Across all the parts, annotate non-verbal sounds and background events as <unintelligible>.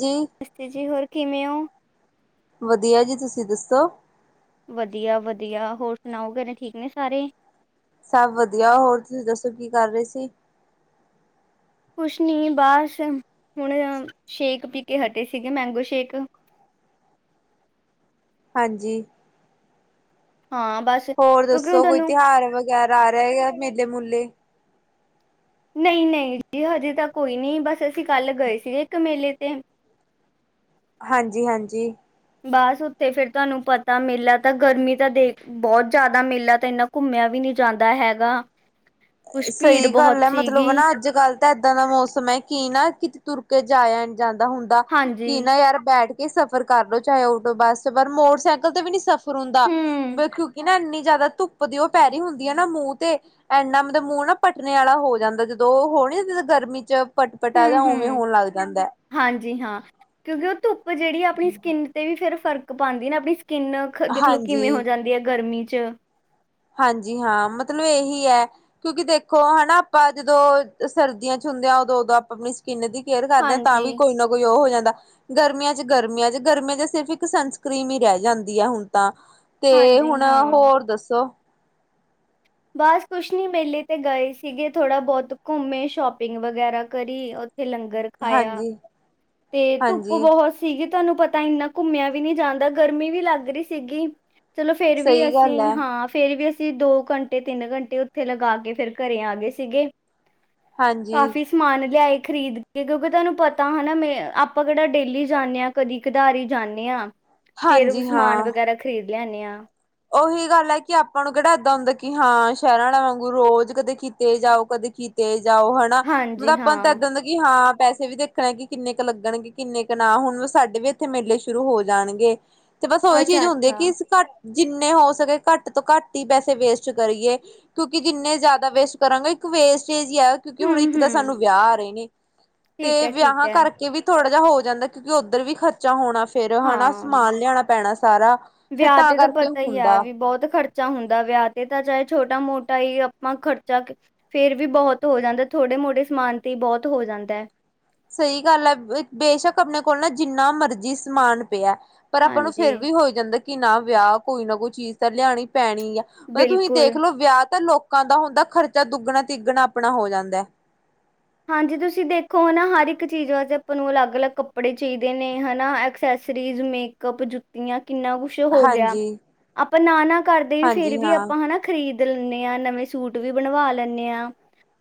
ਜੀ ਜੀ ਹੋਰ ਕਿਵੇਂ ੳ ਵਧੀਆ ਜੀ ਤੁਸੀਂ ਦੱਸੋ। ਵਧੀਆ ਵਧੀਆ ਹੋਰ ਸੁਣਾਓ ਘਰੇ ਠੀਕ ਨੇ ਸਾਰੇ। ਸਭ ਵਧੀਆ ਹੋਰ ਤੁਸੀਂ ਦੱਸੋ ਕੀ ਕਰ ਰਹੇ ਸੀ। ਕੁਛ ਨੀ ਬਸ ਹੁਣ ਸ਼ੇਕ ਪੀ ਕੇ ਹਟੇ ਸੀਗੇ ਮੈਂਗੋ ਸ਼ੇਕ ਹਾਂਜੀ ਹਾਂ ਬਸ ਹੋਰ ਕਿਉਂਕਿ ਹੁਣ ਦੱਸੋ ਕੋਈ ਤੁਹਾਨੂੰ ਤਿਉਹਾਰ ਵ ਬਗੈਰ ਆ ਰਿਹਾ ਹੈਗਾ ਮੇਲੇ ਮੂਲੇ ਨਹੀਂ ਨਹੀਂ ਜੀ ਹਜੇ ਤਾਂ ਕੋਈ ਨਹੀਂ ਬਸ ਅਸੀਂ ਕੱਲ ਗਏ ਸੀਗੇ ਇੱਕ ਮੇਲੇ ਤੇ ਹਾਂਜੀ ਹਾਂਜੀ ਬਸ, ਉੱਥੇ ਫੇਰ ਤੁਹਾਨੂੰ ਪਤਾ ਮੇਲਾ ਤਾਂ ਗਰਮੀ ਤਾਂ ਦੇਖ ਬਹੁਤ ਜ਼ਿਆਦਾ ਮੇਲਾ ਤਾਂ ਇੰਨਾ ਘੁੰਮਿਆ ਵੀ ਨਹੀਂ ਜਾਂਦਾ ਹੈਗਾ। ਕੁਛ ਭੀੜ ਸਹੀ ਬਹੁਤ ਗੱਲ ਹੈ ਮਤਲਬ ਸੀਗੀ ਨਾ ਅੱਜ ਕੱਲ ਇਦਾਂ ਦਾ ਮੌਸਮ ਹੈ ਕੀ ਨਾ ਕਿਤੇ ਤੁਰ ਕੇ ਜਾਇ ਜਾਂਦਾ ਹੁੰਦਾ ਹਾਂਜੀ ਕਿ ਨਾ ਯਾਰ ਬੈਠ ਕੇ ਕਿ ਸਫ਼ਰ ਕਰ ਲੋ ਚਾਹੇ ਟੋ ਬੱਸ ਪਰ ਸਫ਼ਰ ਸਫ਼ਰ ਮੋਟਰਸਾਈਕਲ ਤੇ ਵੀ ਨੀ ਸਫ਼ਰ ਹੁੰਦਾ ਹੂੰ ਕਿਉਂਕਿ ਨਾ ਇੰਨੀ ਜ਼ਿਆਦਾ ਧੁੱਪ ਦੀ ਉਹ ਪੈ ਰਹੀ ਹੁੰਦੀ ਆ ਨਾ ਮੂੰਹ ਤੇ ਇੰਨਾ ਮੂੰਹ ਨਾ ਪਟਣੇੇ ਵਾਲਾ ਹੋ ਜਾਂਦਾ ਜਦੋਂ ਉਹ ਹੋਣੀ ਗਰਮੀ ਚ ਪਟਪਟ ਆ ਹੂੰ ਜਾਂ ਉਵੇਂ ਹੂੰ ਹੋਣ ਲੱਗ ਜਾਂਦਾ ਹੈ ਹਾਂਜੀ ਹਾਂ। ਕਿਉਂਕਿ ਉਹ ਧੁੱਪ ਜਿਹੜੀ ਆਪਣੀ ਸਕਿੰਨ ਤੇ ਵੀ ਫਿਰ ਫਰਕ ਪਾਉਂਦੀ ਨੇ ਆਪਣੀ ਕਿੰਨ ਦੇਖਲੋ ਕਿਵੇਂ ਹੋ ਹਾਂਜੀ ਜਾਂਦੀ ਹੈ ਗਰਮੀ ਚ ਹਾਂਜੀ ਹਾਂ ਮਤਲਬ ਇਹੀ ਹੈ ਕਿਉਂਕਿ ਦੇਖੋ ਹਨਾ ਆਪਾਂ ਜਦੋਂ ਸਰਦੀਆਂ ਚ ਹੁੰਦੇ ਹਾਂ ਉਦੋਂ ਉਦੋਂ ਆਪਾਂ ਆਪਣੀ ਕਿੰਨੇ ਦੀ ਕੇਅਰ ਕਰਦੇ ਆ, ਤਾਂ ਹਾਂਜੀ, ਵੀ ਕੋਈ ਨਾ ਕੋਈ ਉਹ ਹੋ ਜਾਂਦਾ ਗਰਮੀਆਂ ਚ ਗਰਮੀਆਂ ਚ ਗਰਮੀਆਂ ਚ ਸਿਰਫ ਇੱਕ ਸਨਸਕ੍ਰੀਮ ਹੀ ਰਹਿ ਜਾਂਦੀ ਹੈ ਹੁਣ ਤਾਂ ਤੇ ਹਾਂਜੀ ਹੁਣ ਹਾਂ। ਹੋਰ ਦੱਸੋ ਬਸ ਕੁਛ ਨੀ ਮੇਲੇ ਤੇ ਗਏ ਸੀਗੇ ਥੋੜਾ ਬਹੁਤ ਘੁੰਮੇ ਸ਼ੋਪਿੰਗ ਵਗੈਰਾ ਕਰੀ ਥੇ ਲੰਗਰ ਖਾਇਆ ਹਾਂਜੀ ਤੇ ਧੁੱਪ ਹਾਂਜੀ ਬਹੁਤ ਸੀਗੀ ਤੁਹਾਨੂੰ ਪਤਾ ਇੰਨਾ ਘੁੰਮਿਆ ਵੀ ਨਹੀਂ ਜਾਂਦਾ ਗਰਮੀ ਵੀ ਲੱਗ ਰਹੀ ਸੀਗੀ ਚਲੋ ਫੇਰ ਵੀ ਸਹੀ ਗੱਲ ਅਸੀਂ ਹੈ ਹਾਂ ਫੇਰ ਵੀ ਅ ਦੋ ਘੰਟੇ ਤਿੰਨ ਘੰਟੇ ਉੱਥੇ ਲਗਾ ਕੇ ਫਿਰ ਘਰੇ ਆ ਗਏ ਸੀਗੇ ਹਾਂਜੀ ਕਾਫੀ ਸਮਾਨ ਲਿਆਏ। ਖਰੀਦ ਕੇ ਕਿਉਂਕਿ ਤੁਹਾਨੂੰ ਪਤਾ ਹਨਾ ਮੈਂ ਆਪਾਂ ਕਿਹੜਾ ਡੇਲੀ ਜਾਂਦਣੇ ਹਾਂ ਕਦੀ ਖਧਾਰੀ ਜਾਂਣੇ ਆ। ਫੇਰ ਹਾਂਜੀ ਸਮਾਨ ਹਾਂ ਵਗੈਰਾ ਖਰੀਦ ਲਿਆਣੇ ਹਾਂ। ਉਹੀ ਗੱਲ ਹੈ ਕਿ ਆਪਾਂ ਨੂੰ ਕਿਹੜਾ ਇੱਦਾਂ ਹੁੰਦਾ ਕਿ ਹਾਂ ਸ਼ਹਿਰਾਂ ਵਾਲਾ ਵਾਂਗੂ ਰੋਜ਼ ਕਦੇ ਕੀਤੇ ਜਾਓ ਕਦੇ ਕੀਤੇ ਜਾਓ ਹਨਾ ਮਤਲਬ ਹਾਂਜੀ ਆਪਾਂ ਨੂੰ ਤਾਂ ਹਾਂ ਇਦਾਂ ਹੁੰਦਾ ਕਿ ਹਾਂ ਪੈਸੇ ਵੀ ਦੇਖਣੇ ਕਿ ਕਿੰਨੇ ਕੁ ਲੱਗਣਗੇ ਕਿੰਨੇ ਕੁ ਨਾ ਹੁਣ ਸਾਡੇ ਵੀ ਇੱਥੇ ਮੇਲੇ ਸ਼ੁਰੂ ਹੋ ਜਾਣਗੇ। ਤੇ ਬਸ ਉਹੀ ਅੱਛਾ ਚੀਜ਼ ਹੁੰਦੀ ਅੱਛਾ ਕਿ ਘੱਟ ਜਿੰਨੇ ਹੋ ਸਕੇ ਘੱਟ ਤੋਂ ਘੱਟ ਹੀ ਪੈਸੇ ਵੇਸਟ ਕਰੀਏ ਕਿਉਂਕਿ ਜਿੰਨੇ ਜ਼ਿਆਦਾ ਵੇਸਟ ਕਰਾਂਗੇ ਇੱਕ ਵੇਸਟ ਆ ਕਿਉਂਕਿ ਹੁਣ ਹੂੰ ਇੱਕ ਤਾਂ ਹੂੰ ਸਾਨੂੰ ਵਿਆਹ ਆ ਰਹੇ ਨੇ ਠੀਕ ਤੇ ਹੈ ਠੀਕ ਵਿਆਹਾਂ ਹੈ ਕਰਕੇ ਵੀ ਥੋੜਾ ਹੋ ਜਾਂਦਾ ਕਿਉਂਕਿ ਉੱਧਰ ਵੀ ਖਰਚਾ ਹੋਣਾ। ਫੇਰ ਹੈਾ ਹਾਂ ਸਮਾਨ ਲਿਆਣਾ ਪੈਣਾ ਸਾਰਾ ਫੇਰ ਵਿਆਹ ਤਾਂ ਤੇ ਕਰਕੇ ਪਤਾ ਤਾਂ ਹੀ ਹੈ ਹੁੰਦਾ ਵੀ ਬਹੁਤ ਖਰਚਾ ਹੁੰਦਾ ਵਿਆਹ ਤੇ ਤਾਂ ਛੋਟਾ ਮੋਟਾ ਹੀ ਆਪਾਂ ਖਰਚਾ ਫੇਿਰ ਵੀ ਬਹੁਤ ਹੋ ਜਾਂਦਾ ਥੋੜੇ ਮੋਟੇ ਸਮਾਨ ਤੇ ਬਹੁਤ ਹੋ ਜਾਂਦਾ ਹੈ। ਸਹੀ ਗੱਲ ਹੈ ਬੇਸ਼ੱਕ ਆਪਣੇ ਕੋਲ ਨਾ ਜਿੰਨਾ ਮਰਜ਼ੀ ਸਮਾਨ ਪਿਆ ਪਰ ਆਪਾਂ ਨੂੰ ਹਾਂਜੀ ਫੇਰ ਵੀ ਹੋ ਜਾਂਦਾ। ਕਿ ਨਾ ਵਿਆਹ ਕੋਈ ਨਾ ਕੋਈ ਚੀਜ਼ ਤਾਂ ਲਿਆਣੀ ਪੈਣੀ ਆ ਮਤਲਬ ਤੁਸੀਂ ਬਿਲਕੁਲ ਦੇਖਲੋ ਵਿਆਹ ਤਾਂ ਲੋਕ ਲੋਕਾਂ ਦਾ ਹੁੰਦਾ ਖਰਚਾ ਦੁੱਗਣਾ ਤਿੱਗਣਾ ਆਪਣਾ ਹੋ ਜਾਂਦਾ। ਹਾਂਜੀ ਤੁਸੀਂ ਦੇਖੋ ਹਨ ਨਾ ਹਰ ਇੱਕ ਚੀਜ਼ ਵਾਸਤੇ ਆਪਾਂ ਨੂੰ ਅਲੱਗ ਼-ਅਲੱਗ ਕੱਪੜੇ ਚਾਹੀਦੇ ਨੇ ਹਨਾ ਐਕਸੈਸਰੀਜ਼, ਮੇਕਅਪ, ਜੁੱਤੀਆਂ- ਕਿੰਨਾ ਕੁਛ ਹੋ ਗਿਆ ਹਾਂਜੀ ਆਪਾਂ ਨਾ- ਨਾ ਕਰਦੇ ਵੀ ਫੇਰ ਹਾਂਜੀ ਵੀ ਹਾਂ ਆਪਾਂ ਹਨਾ ਖਰੀਦ ਲੈਂਣੇ ਹਾਂ ਨਵੇਂ ਸੂਟ ਵੀ ਬਣਵਾ ਲੈਂਣੇ ਹਾਂ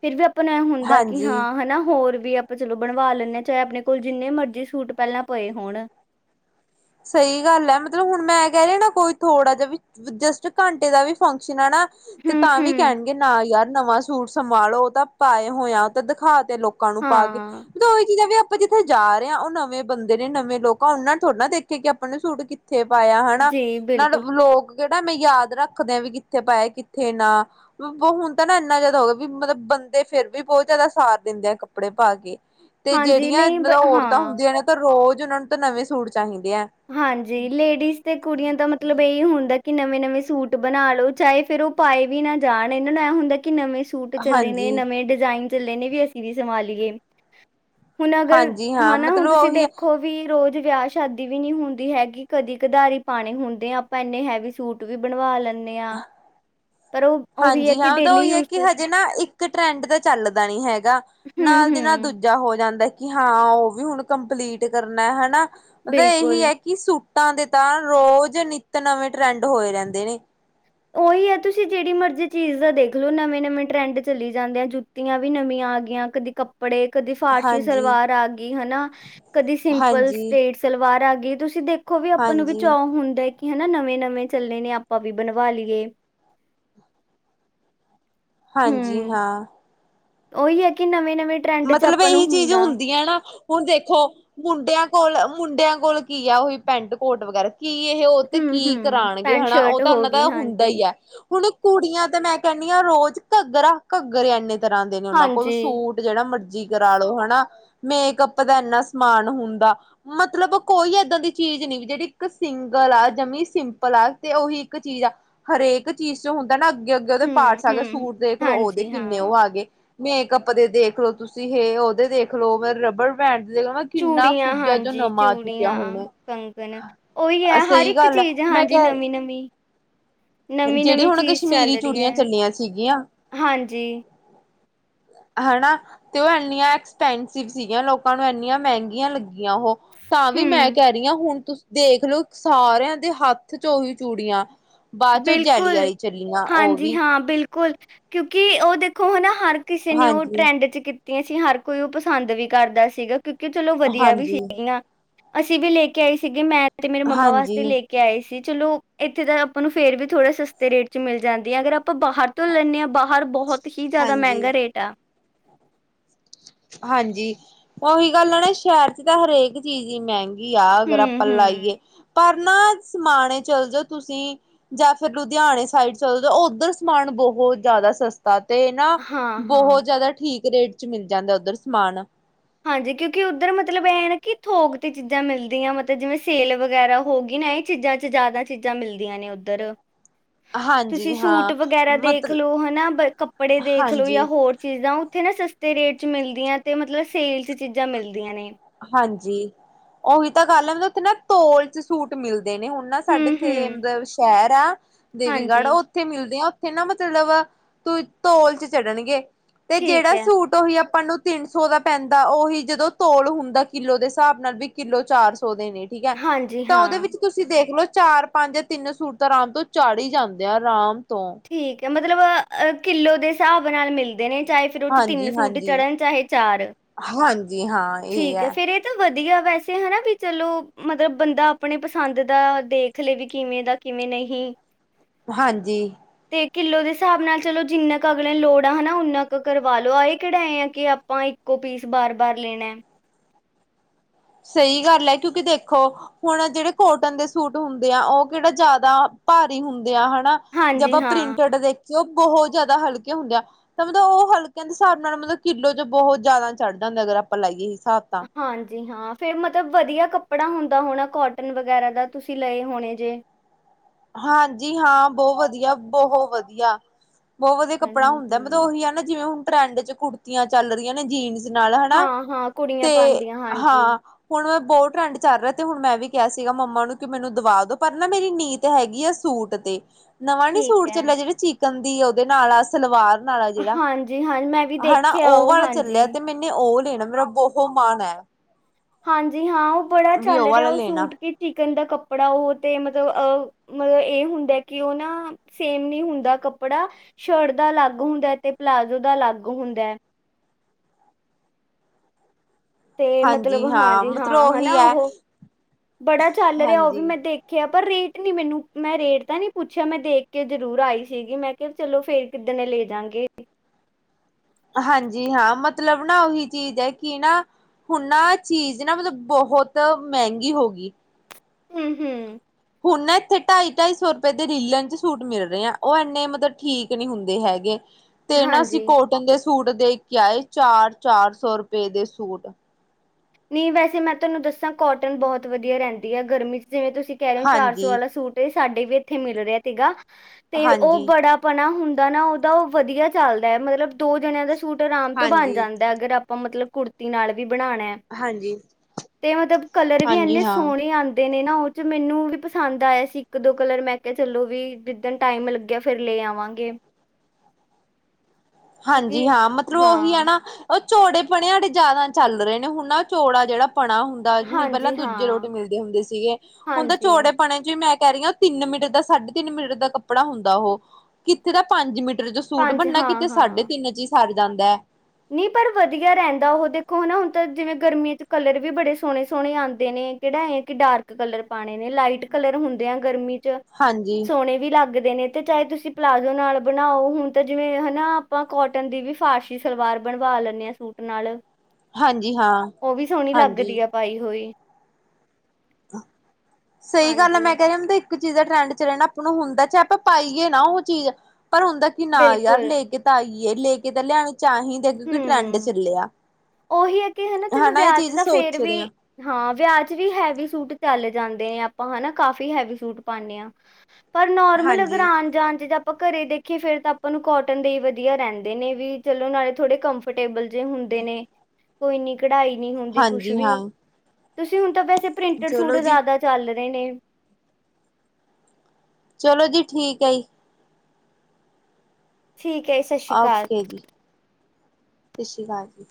ਫਿਰ ਵੀ ਆਪਾਂ ਆਪਣਿਆ ਹੁੰਦਾ ਕਿ ਹਾਂਜੀ ਹਾਂ ਹਨਾ ਹੋਰ ਵੀ ਵੀ ਆਪਾਂ ਚਲੋ ਬਣਵਾ ਲੈਂਦੇ ਹਾਂ ਚਾਹੇ ਆਪਣੇ ਕੋਲ ਜਿੰਨੇ ਮਰਜ਼ੀ ਸੂਟ ਪਹਿਲਾਂ ਪਏ ਹੋਣ! ਸਹੀ ਗੱਲ ਹੈ ਮਤਲਬ ਹੁਣ ਮੈਂ ਕਹਿ ਰਿਹਾ ਨਾ ਕੋਈ ਥੋੜਾ ਜਿਹਾ ਵੀ ਜਸਟ ਘੰਟੇ ਦਾ ਵੀ ਫੰਕਸ਼ਨ ਆ ਨਾ ਤੇ ਹੂੰ, ਤਾਂ ਵੀ ਹੂੰ। ਕਹਿਣਗੇ ਨਾ ਯਾਰ- ਨਵਾਂ ਸੂਟ ਸੰਭਾਲੋ ਉਹ ਤਾਂ ਪਾਏ ਹੋਏ ਆ ਤੇ ਦਿਖਾ- ਤੇ ਲੋਕਾਂ ਨੂੰ ਪਾ ਕੇ ਹਾਂ, ਮਤਲਬ ਉਹਹੀ ਚੀਜ਼ਾਂ ਵੀ ਆਪਾਂ ਜਿੱਥੇ ਜਾ ਰਹੇ ਹਾਂ ਉਹ ਨਵੇਂ ਬੰਦੇ ਨੇ ਨਵੇਂ ਲੋਕਾਂ ਉਹਨਾਂ ਨੇ ਥੋੜੇ ਨਾ ਦੇਖ- ਕੀ ਆਪਣੇ ਸੂਟ ਕੀ ਇੱਥੇ ਪਾਇਆ ਹਨਾ ਜੀ ਨਾਲ ਬਿਲਕੁਲ। ਲੋਕ ਕਿਹੜਾ ਐਂਵੇ ਯਾਦ ਰੱਖਦੇ ਆਂ ਵੀ ਕਿੱਥੇ ਪਾਏ ਕਿੱਥੇ ਨਾ ਹੁਣ ਤਾਂ ਨਾ ਇੰਨਾ ਜ਼ਿਆਦਾ ਹੋ ਵੀ ਮਤਲਬ ਬੰਦੇ ਫੇਰ ਵੀ ਬਹੁਤ ਜ਼ਿਆਦਾ ਸਾਰ ਦਿੰਦੇ ਆ ਕੱਪੜੇ ਪਾ ਕੇ ਤੇ ਹਾਂਜੀ ਜਿਹੜੀਆਂ ਨਹੀਂ ਬ ਮਤਲਬ ਔਰਤਾਂ ਹਾਂ। ਹੁੰਦੀਆਂ ਨੇ ਤਾਂ ਰੋਜ਼ ਉਹਨਾਂ ਨੂੰ ਤਾਂ ਨਵੇਂ ਸੂਟ ਚਾਹੀਦੇ। ਆ ਹਾਂਜੀ ਲੇਡੀਜ਼ ਤੇ ਕੁੜੀਆਂ ਦਾ ਮਤਲਬ ਇਹੀ ਹੁੰਦਾ ਕਿ ਨਵੇਂ -ਨਵੇਂ ਸੂਟ ਬਣਾ ਲਓ ਚਾਹੇ ਫੇਰ ਉਹ ਪਾਏ ਵੀ ਨਾ ਜਾਣ ਇਹਨਾਂ ਨੂੰ ਐ ਹੁੰਦਾ ਕਿ ਨਵੇਂ ਸੂਟ ਚੱਲੇ ਨੇ ਹਾਂਜੀ, ਨਵੇਂ ਡਿਜ਼ਾਇਨ ਚੱਲੇ ਨੇ ਵੀ ਅਸੀਂ ਵੀ ਸਵਾ ਲਈਏ। ਹੁਣ ਅਗਰ ਹਾਂਜੀ ਹਾਂ ਹਨਾ ਹੁਣ ਮਤਲਬ ਤੁਸੀਂ ਉਹੀ ਆ ਦੇਖੋ ਵੀ ਰੋਜ਼ ਵਿਆਹ ਸ਼ਾਦੀ ਵੀ ਨਹੀਂ ਹੁੰਦੀ ਹੈਗੀ ਕਦੀ ਕਧਾਰੀ ਪਾਣੇ ਹੁੰਦੇ ਆ ਆਪਾਂ ਇੰਨੇ ਹੈਵੀ ਸੂਟ ਵੀ ਬਣਵਾ ਲੈਂਦੇ ਦੇ ਆ ਪਰ ਉਹ ਉਹੀ ਹੈ ਹਾਂਜੀ ਕਿ ਹਾਂ ਉਹ ਤਾਂ ਡੇਲੀ ਉਹੀ ਹੈ ਯੂਜ ਕਿ ਚ ਹਜੇ ਨਾ ਇੱਕ ਟਰੈਂਡ ਤਾਂ ਚੱਲਦਾ ਨੀ ਹੈਗਾ ਨਾਲ ਦੀ ਨਾਲ ਹੂੰ-ਹੂੰ ਦੂਜਾ ਹੋ ਜਾਂਦਾ। ਕਿ ਹਾਂ ਉਹ ਵੀ ਹੁਣ ਕੰਪਲੀਟ ਕਰਨਾ ਹਨਾ। ਉਹ ਤਾ ਇਹੀ ਬਿਲਕੁਲ। ਹੈ ਕਿ ਸੁ ਸੂਟਾਂ ਦੇ ਤਾਂ ਰੋਜ਼ ਨਿੱਤ ਨਵੇਂ ਟਰੈਂਡ ਹੋਏ ਰਹਿੰਦੇ ਨੇ ਉਹੀ ਹੈ ਤੁਸੀਂ ਜਿਹੜੀ ਮਰਜੀ ਚੀਜ਼ ਦਾ ਦੇਖਲੋ ਨਵੇਂ -ਨਵੇਂ ਟਰੈਂਡ ਚਲੀ ਜਾਂਦੇ ਆ ਜੁੱਤੀਆਂ ਵੀ ਨਵੀਆਂ ਆ ਗਈਆਂ ਕਦੀ ਕੱਪੜੇ ਕਦੀ ਫਾਰਸ਼ੀ ਹਾਂਜੀ, ਸਲਵਾਰ ਆ ਗਈ, ਹਨਾ ਕਦੀ ਸਿੰਪਲ ਹਾਂਜੀ, ਸਟੇਟ ਸਲਵਾਰ ਆ ਗਈ। ਕਿ ਤੁਸੀਂ ਦੇਖੋ ਦੇਖੋ ਵੀ ਆਪਾਂ ਨੂੰ ਵੀ ਹਾਂਜੀ, ਚੌਅ ਹੁੰਦਾ ਈ ਕਿ ਹਨਾ ਨਵੇਂ -ਨਵੇਂ ਚੱਲੇ ਨੇ ਆਪਾਂ ਵੀ ਬਣ ਵਾਲੀਏ। ਹਾਂਜੀ, ਹੂੰ ਹਾਂ। ਉਹੀ ਹੈ ਕਿ ਨਵੇਂ -ਨਵੇਂ ਟਰੈਂਡ 'ਚ ਮਤਲਬ ਆਪਾਂ ਨੂੰ ਇਹੀ ਚੀਜ਼ ਹੁੰਦਾ ਹੁੰਦੀ ਹੈ ਨਾ ਹੁਣ ਦੇਖੋ ਮੁੰਡਿਆਂ ਕੋਲ ਮੁੰਡਿਆਂ ਕੋਲ ਕੀ ਆ, ਉਹੀ ਪੈਂਟ ਕੋਟ ਵਗੈਰਾ। ਕੀ ਇਹ ਉਹ ਤੇ ਹੂੰ ਕੀ ਹੂੰ ਕਰਾਣਗੇ ਪੈਂਟ ਹਨਾ ਉਹ ਸ਼ਰਟ ਤਾਂ ਹੋ ਉਹਨਾਂ ਦਾ ਗਈ ਹੁੰਦਾ ਹਾਂਜੀ ਹੀ ਹੈ। ਹੁਣ ਕੁੜੀਆਂ ਤੇ ਮੈਂ ਕਹਿੰਦੀ ਹਾਂ ਰੋਜ਼ ਘੱਗਰਾ ਘੱਗਰੇ ਐਨੇ ਤਰ੍ਹਾਂ ਦੇ ਨੇ ਉਹਨਾਂ ਕੋਲ ਹਾਂਜੀ ਸੂਟ ਜਿਹੜਾ ਮਰਜੀ ਕਰਾ ਲਓ ਹਨਾ ਮੇਕਅੱਪ ਦਾ ਇੰਨਾ ਸਮਾਨ ਹੁੰਦਾ ਮਤਲਬ ਕੋਈ ਏਦਾਂ ਦੀ ਚੀਜ਼ ਨੀ ਵੀ ਜਿਹੜੀ ਇੱਕ ਸਿੰਗਲ ਆ ਜਮੀ ਸਿੰਪਲ ਆ ਤੇ ਉਹੀ ਇੱਕ ਚੀਜ਼ ਆ ਹਰੇਕ ਚੀਜ਼ ਚ ਹੁੰਦਾ ਨਾ। ਅੱਗੇ -ਅੱਗੇ ਉਹਦੇ ਹੂੰ ਪਾਰਟਸ ਆ ਗਏ, ਹੂੰ ਸੂਟ ਦੇਖ ਲਓ ਉਹਦੇ ਹਾਂਜੀ ਕਿੰਨੇ ਹਾਂ ਉਹ ਆ ਗਏ। ਮੇਕਅੱਪ ਦੇ ਦੇਖ ਦੇਖਲੋ ਤੁਸੀਂ ਹ ਉਹਦੇ ਦੇਖਲੋ ਮ ਰਬੜ ਬੈਂਡ ਦੇ ਦੇਖਲੋ ਮੈਂ ਕਿੰਨਾ ਚੂੜੀਆਂ ਕੁੱਜਾ ਜੋ ਹਾਂਜੀ ਨਵਾਂ ਆ ਚੁੱਕਿਆ ਚੂੜੀਆਂ ਹੁਣ ਕੰਗਣ ਉਓਹੀ ਹੈ ਹਰ ਸਹੀ ਇੱਕ ਗੱਲ ਹੈ ਚੀਜ਼ ਮੈਂ ਹਾਂਜੀ ਕਿਹਾ ਨਵੀਂ ਨਵੀਂ ਨਵੀਂ ਜਿਹੜੀ ਨਵੀਂ ਹੁਣ ਚੀਜ਼ ਚੱਲ ਕਸ਼ਮੀਰੀ ਰਹੀ ਚੂੜੀਆਂ ਹੈ ਚੱਲੀਆਂ ਸੀਗੀਆਂ ਹਾਂਜੀ ਹਨਾ ਤੇ ਉਹ ਇੰਨੀਆਂ ਐਕਸਪੈਂਸਿਵ ਸੀਗੀਆਂ ਲੋਕਾਂ ਨੂੰ ਇੰਨੀਆਂ ਮਹਿੰਗੀਆਂ ਲੱਗੀਆਂ ਉਹ ਤਾਂ ਵੀ ਮੈਂ ਹੂੰ ਕਹਿ ਰਹੀ ਹਾਂ ਹੁਣ ਤੁਸੀਂ ਦੇਖਲਓ ਸਾਰਿਆਂ ਦੇ ਹੱਥ ਚ ਉਹੀ ਚੂੜੀਆਂ ਬਾਅਦ ਚੋਂ ਜੈਲੀ ਵਾਲੀ ਚੱਲੀਆਂ ਉਹ ਵੀ ਕੋੁਲ ਕਿਉਂਕਿ ਉਹ ਦੇਖੋ ਹਨਾ ਹਰ ਕਿਸੇ ਨੇ ਉਹ ਹਾਂਜੀ ਟਰੈਂਡ ਚ ਕੀਤਾ ਤੇ ਅਸੀਂ ਹਰ ਕੋਈ ਉਹ ਪਸੰਦ ਵੀ ਕਰਦਾ ਸੀਗਾ ਕਿਉਂਕਿ ਚਲੋ ਵਧੀਆ ਵੀ ਹਾਂਜੀ ਸੀਗੀਆਂ ਅਸੀਂ ਵੀ ਲੈ ਕੇ ਆਈ ਸੀਗੇ ਮੈਂ ਤੇ ਮੇਰੇ ਮੰਮਾ ਹਾਂਜੀ ਵਾਸਤੇ ਲੈ ਕੇ ਆਏ ਸੀ ਚਲੋ ਇੱਥੇ ਦਾ ਆਪਾਂ ਨੂੰ ਫੇਰ ਵੀ ਥੋੜੇ ਸਸਤੇ ਰੇਟ ਚ ਮਿਲ ਜਾਂਦੀ ਆ ਅਗਰ ਆਪਾਂ ਬਾਹਰ ਤੋਂ ਲੈਂਦੇ ਹਾਂ ਬਾਹਰ ਹਰ ਬਹੁਤ ਹੀ ਜ਼ਿਆਦਾ ਹਾਂਜੀ ਮਹਿੰਗਾ ਰੇਟ ਆ ਹਾਂਜੀ ਉਹੀ ਗੱਲ ਆ ਨਾ ਸ਼ਹਿਰ ਚ ਤਾਂ ਹਰੇਕ ਚੀਜ਼ ਹੀ ਮਹਿੰਗੀ ਆ ਅਗਰ ਹੂੰ ਆਪਾਂ ਹੂੰ ਲਾਈਏ ਪਰ ਕਿਨਾ ਸਮਾਨ ਚੱਲ ਜਾਓ ਤੁਸੀਂ ਜਾਂ ਫਿਰ ਲੁਧਿਆਣੇ ਸਾਈਡ ਚੱਲ ਜਾ ਉੱਧਰ ਸਮਾਨ ਬਹੁਤ ਜ਼ਿਆਦਾ ਸਸਤਾ ਤੇ ਨਾ ਹਾਂ, ਹਾਂ। ਬਹੁਤ ਜਿਆਦਾ ਠੀਕ ਗ੍ਰੇਡ ਚ ਮਿਲਦਾ ਜਾਂਦਾ ਉੱਧਰ ਸਮਾਨ ਹਾਂਜੀ ਕਿਉਂਕਿ ਉੱਧਰ ਮਤਲਬ ਇਹ ਨਾ ਕਿ ਥੋਕ ਤੇ ਚੀਜ਼ਾਂ ਮਿਲਦੀਆਂ ਮਤਲਬ ਜਿਵੇਂ ਸੇਲ ਵਗੈਰਾ ਹੋ ਗਈ ਨਾ ਇਹ ਚੀਜ਼ਾਂ ' ਜ਼ਿਆਦਾ ਚੀਜ਼ਾਂ ਮਿਲਦੀਆਂ ਨੇ ਉੱਧਰ ਹਾਂਜੀ ਤੁਸੀਂ ਹਾਂ ਸੂਟ ਵਗੈਰਾ ਮਤਲਬ ਦੇਖਲੋ ਹਨਾ ਕੱਪੜੇ ਦੇਖਲੋ ਜਾਂ ਹਾਂਜੀ ਹੋਰ ਚੀਜ਼ਾਂ ਇੱਥੇ ਨਾ ਸਸਤੇ ਰੇਟ ਚ ਮਿਲਦੀਆਂ ਤੇ ਮਤਲਬ ਸੇਲ ਚ ਚੀਜ਼ਾਂ ਮਿਲਦੀਆਂ ਨੇ ਹਾਂਜੀ ਉਹੀ ਤਾਂ ਗੱਲ ਹੈ ਮਤ ਉੱਥੇ ਨਾ ਤੋਲ ਚ ਸੂਟ ਮਿਲਦਾ ਨੇ ਹੁਣ ਨਾ ਸਾਡੇ ਹੂੰ, ਇੱਥੇ ਹੂੰ। ਮਤਲਬ ਸ਼ਹਿਰ ਦਾ ਦੇਵੀਗੜ੍ਹ ਹਾਂਜੀ, ਉਹ ਉੱਥੇ ਮਿਲਦੇ ਆ ਥੇ ਨਾ ਮਤਲਬ ਤੂੰ ਤੌਲ ਚ ਚੜਨਗੇ ਤੇ ਠੀਕ ਜਿਹੜਾ ਐ। ਸੂਟ ਉਹੀ ਆਪਾਂ ਨੂੰ ਤਿੰਨ ਸੌ ਦਾ ਪੈਂਦਾ ਉਹੀ ਜਦੋਂ ਤੋਲ ਹੁੰਦਾ ਦਾ ਕਿੱਲੋ ਦੇ ਹਿਸਾਬ ਨਾਲ ਵੀ ਕਿੱਲੋ ਚਾਰ ਸੋਦੇ ਨੇ ਠੀਕ ਹੈ ਹਾਂਜੀ, ਤਾਂ ਉਹਦੇ ਹਾਂ। ਵਿੱਚ ਤੁਸੀਂ ਦੇਖਲੋ ਚਾਰ ਪੰਜ ਤਿੰਨ ਸੂਰਤਾਂ ਰਾਮ ਤੋਂ ਚਾੜ ਹੀ ਜਾਂਦੇ ਆ ਰਾਮ ਤੋਂ ਜਾਂ ਮਤਲਬ ਅਹ ਕਿੱਲੋ ਦੇ ਹਿਸਾਬ ਨਾਲ ਮਿਲਦੇ ਨੇ। ਚਾਹੇ ਫਿਰ ਉਹਥੇ ਤਿੰਨ ਹਾਂਜੀ ਸੂਟ ਹਾਂਜੀ ਚੜਨ ਚਾਹੇ ਚਾਰ ਹਾਂਜੀ ਹਾਂ ਇਹ ਠੀਕ ਹੈ ਫੇਰ ਇਹ ਤਾਂ ਵਧ ਵਧੀਆ ਵੈਸੇ ਹਨਾ ਵੀ ਚਲੋ ਮਤਲਬ ਬੰਦਾ ਆਪਣੇ ਪਸੰਦ ਦਾ ਦੇਖ ਲਏ ਵੀ ਕਿਵੇਂ ਦਾ ਕਿਵੇਂ ਨਹੀਂ ਹਾਂਜੀ ਕਿੱਲੋ ਦੇ ਹਿਸਾਬ ਨਾਲ ਚਲੋ ਜਿੰਨਾ ਕੁ ਅਗਲੇ ਲੋੜ ਆ ਹਨ ਨਾ ਓਨਾ ਕੁ ਕਰਵਾਲੋ ਆ ਇਹ ਕਿਹੜਾ ਆ ਕਿ ਆਪਾਂ ਇੱਕੋ ਪੀਸ ਬਾਰ-ਬਾਰ ਲੈਣਾ। ਸਹੀ ਗੱਲ ਹੈ ਕਿਉਂਕਿ ਦੇਖੋ ਹੁਣ ਜਿਹੜੇ ਕੋਟਨ ਦੇ ਸੂਟ ਹੁੰਦੇ ਆ ਉਹ ਕਿਹੜਾ ਜ਼ਿਆਦਾ ਭਾਰੀ ਹੁੰ ਹਨਾ ਜੇ ਹਾਂਜੀ ਆਪਾਂ ਹਾਂ, ਪ੍ਰਿੰਟਡ ਦੇਖਿਓ। ਬਹੁਤ ਜ਼ਿਆਦਾ ਹਲਕੇ ਹੁੰਦੇ ਆ ਤਾਂ ਮਤਲਬ ਉਹ ਹਲਕਿਆਂ ਦੇ ਹਿਸਾਬ ਨਾਲ ਮਤਲਬ ਕਿੱਲੋ 'ਚ ਬਹੁਤ ਜ਼ਿਆਦਾ ਚੜ੍ਹ ਜਾਂਦੇ ਅਗਰ ਆਪਾਂ ਲਾਈਏ ਹਿ <unintelligible> ਹਾਂਜੀ ਹਾਂ ਫਿਰ ਮਤਲਬ ਵਧੀਆ ਕੱਪੜਾ ਹੁੰਦਾ ਹੋਣਾ ਕੋਟਨ ਵਗੈਰਾ ਦਾ ਤੁਸੀਂ ਲਏ ਹੋਣੇ ਜੇ ਹਾਂਜੀ ਹਾਂ ਬਹੁ ਵਧੀਆ ਬਹੁਹ ਵਧੀਆ ਬਹੁਤ ਵਧਿਆੱ ਕਪੜਾ ਹੁੰਦਾ ਮਤਲਬ ਉਹੀ ਹੈ ਨਾ ਜਿਵੇ ਹੁਣ ਟਰੈਂਡ 'ਚ ਕੁੜਤੀਆਂ ਚੱਲ ਰਹੀਆਂ ਨੇ ਜੀਨਸ ਨਾਲ ਹਨਾ ਹਾਂ-ਹਾਂ ਕੁੜੀਆਂ ਤੇ ਪਾਉਂਦੀਆਂ ਹਾਂਜੀ ਹਾਂ ਹੁਣ ਬਹੁਤ ਟਰੈਂਡ ਚੱਲ ਰਿਹਾ ਤੇ ਹੁਣ ਮੈਂ ਵੀ ਕਿਹਾ ਸੀਗਾ ਮੰਮਾ ਨੂੰ ਕਿ ਮੈਨੂੰ ਦਵਾ ਦੋ ਪਰ ਨਾ ਮੇਰੀ ਨੀਤ ਤੇ ਹੈਗੀ ਆ ਸੂਟ ਤੇ ਨਵਾਂ ਨ ਠੀਕ ਸੂਟ ਹੈ। ਚੱਲਿਆ ਜਿਹੜਾ ਚੀਕ ਕੰਦੀ ਉਹਦੇ ਨਾਲ ਆ ਸਲਵਾਰ ਨਾਲਾ ਜਿਹੜਾ ਹਾਂਜੀ ਹਾਂ ਮੈਂ ਵੀ ਹਨਾ ਦੇਖਿਆ ਉਹ ਵਾਲਾ ਚੱਲਿਆ ਹਾਂਜੀ। ਤੇ ਮੈਨੇ ਉਹ ਲੈ ਮੇਰਾ ਬਹੁ ਮਨ ਹੈ। ਹਾਂਜੀ ਹਾਂ ਉਹ ਬੜਾ ਵੀ ਚੱਲ ਰਿਹਾ ਵਾਲਾ ਉਹ ਲੈਣਾ ਸੂਟ ਕੇ ਚਿਕਨ ਦਾ ਕੱਪ ਕੱਪੜਾ ਉਹ ਤੇ ਮਤਲਬ ਮਤਲਬ ਇਹ ਹੁੰਦਾ ਕਿ ਉਹ ਨਾ ਸੇਮ ਨੀ ਹੁੰਦਾ ਕੱਪੜਾ ਸ਼ਰਟ ਦਾ ਅਲਗ ਹੁੰਦਾ ਤੇ ਪਲਾਜ਼ੋ ਦਾ ਅਲੱਗ ਹੁੰਦਾ। ਤੇ ਮਤਲਬ ਹਾਂਜੀ ਮਤਲਬ ਹਾਂ ਉਹੀ ਹਨਾ ਹੈ ਉਹ ਬੜਾ ਚੱਲ ਰਿਹਾ ਉਹ ਵੀ ਹਾਂਜੀ ਮੈਂ ਦੇਖਿਆ। ਪਰ ਰੇਟ ਨੀ ਮੈਨੂੰ ਮੈਂ ਰੇਟ ਤਾਂ ਨਹੀਂ ਪੁੱਛਿਆ ਮੈਂ ਦੇਖ ਕੇ ਜ਼ਰੂਰ ਆਈ ਸੀਗੀ ਮੈਂ ਕਿਹਾ ਚਲੋ ਫੇਰ ਕਿੱਦ ਨੇ ਲੈ ਜਾਗੇ। ਹਾਂਜੀ ਹਾਂ ਮਤਲਬ ਨਾ ਉਹੀ ਚੀਜ਼ ਹੈ ਕਿ ਨਾ ਹੁਣ ਨਾ ਚੀਜ਼ ਨਾ ਮਤਲਬ ਬਹੁਤ ਮਹਿੰਗੀ ਹੋ ਗਈ। ਹੂੰ- ਹੂੰ ਹੁਣ ਨਾ ਇੱਥੇ ਢਾਈ- ਢਾਈ ਸੌ ਰੁਪਏ ਦੇ ਰੀਲਣ 'ਚ ਸੂਟ ਮਿਲ ਰਹੇ ਆ ਉਹ ਇੰਨੇ ਮਤਲਬ ਠੀਕ ਨਹੀਂ ਹੁੰਦੇ ਹੈਗੇ। ਤੇ ਨਾ ਸੀ ਹਾਂਜੀ ਕੋਟਨ ਦੇ ਸੂਟ ਦੇ ਦੇਖ ਕੇ ਆਏ ਚਾਰ- ਚਾਰ ਸੌ ਰੁਪਏ ਦੇ ਸੂਟ ਨਹੀਂ ਵੈਸੇ ਮੈਂ ਤੁਹਾਨੂੰ ਦੱਸਾਂ ਕੋਟਨ ਬਹੁਤ ਵਧੀਆ ਰਹਿੰਦੀ ਹੈ ਗਰਮੀ ਜਿਵੇਂ ਤੁਸੀਂ ਕਹਿ ਰਹੇ ਹੋ ਚਾਰ ਸੌ ਹਾਂਜੀ, ਵਾਲਾ ਸੂਟ ਸਾਡੇ ਵੀ ਇੱਥੇ ਮਿਲ ਰਿਹਾ ਸੀਗਾ। ਤੇ ਉਹ ਹਾਂਜੀ, ਬੜਾਪਣਾ ਹੁੰ ਨਾ ਉਹਦਾ ਉਹ ਵਧੀਆ ਚੱਲਦਾ ਹੈ ਮਤਲਬ ਦੋ ਜਣਿਆਂ ਦਾ ਸੂਟ ਆਰਾਮ ਤੋਂ ਬਣ ਹਾਂਜੀ, ਜਾਂਦਾ ਅਗਰ ਆ ਆਪਾਂ ਮਤਲਬ ਕੁੜਤੀ ਨਾਲ ਵੀ ਬਣਾਣਾ ਹਾਂਜੀ, ਤੇ ਮਤਲਬ ਕਲਰ ਵੀ ਹਾਂਜੀ ਇੰਨੇ ਹਾਂ। ਸੋਹਣੇ ਆਉਂਦੇ ਨੇ ਨਾ ਉਹ ਚ ਮੈਨੂੰ ਵੀ ਪਸੰਦ ਆਇਆ ਸੀ ਇੱਕ ਦੋ ਕਲਰ ਮੈਂ ਕਿਹਾ ਚਲੋ ਵੀ ਜਿਦਣ ਟਾਈਮ ਲੱਗਿਆ ਫਿਰ ਲੈ ਆਵਾਂਗੇ। ਹਾਂਜੀ ਕਿਉਂਕਿ ਹਾਂ ਮਤਲਬ ਉਹੀ ਹੈ ਹਾਂ ਨਾ ਉਹ ਚੋੜੇ ਪਹੁੰਚੇ ਜਿਆਦਾ ਚੱਲ ਰਹੇ ਨੇ ਹੁਣ ਨਾ ਚੋੜਾ ਜਿਹੜਾ ਫਣਾ ਹੁੰਦਾ ਨਹੀਂ ਪਹਿਲਾਂ ਹਾਂਜੀ ਦੂਜੇ ਰੋਟੀ ਹਾਂ ਮਿਲਦੇ ਹੁੰਦੇ ਸੀਗੇ ਹੁੰਣ ਤਾਂ ਹਾਂਜੀ ਚੋੜੇਪਣੇ ਚ ਵੀ ਮੈਂ ਕਹਿ ਰਹੀ ਹ ਉਹ ਤਿੰਨ ਮੀਟਰ ਦਾ ਸਾਢੇ ਤਿੰਨ ਮੀਟਰ ਦਾ ਕੱਪੜਾ ਹੁੰਦਾ ਉਹ ਕਿੱਥੇ ਦਾ ਪੰਜ ਮੀਟਰ ਜੋ ਸੂਟ ਪੰਜ ਬਣਨਾ ਹਾਂ ਤੇ ਸਾਢੇ ਹਾਂ ਤਿੰਨ ਚ ਹੀ ਸਾਰੇ ਜਾਂਦਾ ਹੈ। ਨਹੀਂ ਪਰ ਵਧੀਆ ਰਹਿੰਦਾ ਉਹ ਦੇਖੋ ਹਨਾ ਹੁਣ ਤਾਂ ਜਿਵੇਂ ਗਰਮੀਆਂ ਚ ਕਲਰ ਵੀ ਬੜੇ ਸੋਹਣੇ ਸੋਹਣੇ ਆਉਂਦੇ ਨੇ ਕਿਹੜਾ ਕਿ ਡਾਰਕ ਕਲਰ ਪਾਉਣੇ ਨੇ ਲਾਈਟ ਕਲਰ ਹੁੰਦੇ ਆ ਗਰਮੀ ਹਾਂਜੀ ਸੋਨੇ ਵੀ ਲੱਗਦੇ ਨੇ ਤੇ ਚਾਹੇ ਤੁਸੀਂ ਪਲਾਜ਼ੋ ਨਾਲ ਬਣਾਓ ਹੁਣ ਤਾਂ ਜਿਵੇਂ ਹਨਾ ਆਪਾਂ ਕੋਟਨ ਦੀ ਵੀ ਫਾਰਸ਼ਿਸ਼ ਸਲਵਾਰ ਬਣਵਾ ਲੈਂਦੇ ਹਾਂ ਸੂਟ ਨਾਲ ਹਾਂਜੀ ਹਾਂ ਉਹ ਵੀ ਸੋਹਣੀ ਲੱਗਦੀ ਹਾਂਜੀ ਆ ਪਾਈ ਹੋਈ। ਸਹੀ ਗੱਲ ਆ ਮੈਂ ਹਾਂਜੀ ਕਹਿ ਰਿਹੀ ਹਦੇ ਇੱਕ ਚੀਜ਼ ਦਾ ਟਰੈਂਡ ਚ ਰਹਿਣਾ ਆਪ ਨੂੰ ਹੁੰਦਾ ਚੇ ਆਪਾਂ ਪਾਈਏ ਨਾ ਉਹ ਚੀਜ਼ ਪਰ ਹੁੰਦਾ ਕੀ ਨਾਂ ਯਾਰ ਲੈ ਕੇ ਤਾਂ ਆਈਏ ਲੇ ਕੇੱਲਿਆ ਹਮ ਉਹੀ ਅੱਗੇ ਹਨਾ ਚਲੋ ਇਹ ਵਿਆਹ ਚ ਚੀਜ਼ ਤਾਂ ਫੇਰ ਵੀ ਸੋਚਦੇ ਹਾਂ। ਹਾਂ ਵਿਆਹ ਚ ਵੀ ਹੈਵੀ ਸੂਟ ਚੱਲ ਜਾਂਦੇ ਨੇ ਆਪਾਂ ਹਨਾ ਕਾਫੀ ਹੈਵੀ ਸੂਟ ਪਾਉਦੇ ਹਾਂ। ਪਰ ਨੋਰਮਲ ਅਗਰ ਹਾਂਜੀ। ਆਉਣ ਜਾਣ ਚ ਤਾਂ ਆਪਾਂ ਘਰੇ ਦੇਖੀਏ ਫੇਰ ਤਾਂ ਆਪਾਂ ਨੂੰ ਕੋਟਨ ਦੇ ਹੀ ਵਧੀਆ ਰਹਿੰਦੇ ਨੇ ਵੀ ਚਲੋ ਨਾਲੇ ਥੜੇ ਕੰਫਰਟੇਬਲ ਹੁੰਦੇ ਨੇ। ਕੋਈ ਨੀ। ਕਢਾਈ ਨੀ ਹੁੰਦੀ ਕੁਛ ਹਾਂਜੀ ਵੀ ਹਾਂ। ਤੁਸੀਂ ਹੁਣ ਬ ਪ੍ਰਿੰਟਡ ਸੂਟ ਚਲੋ ਜੀ। ਜ਼ਿਆਦਾ ਚੱਲ ਨੇ ਚਲੋ ਜੀ ਠੀਕ ਹੈ ਜੀ। ਠੀਕ ਹੈ ਸਤਿ ਸ਼੍ਰੀ ਅਕਾਲ। ਓਕੇ ਜੀ ਸਤਿ ਸ੍ਰੀ ਅਕਾਲ ਜੀ।